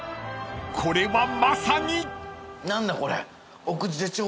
［これはまさに］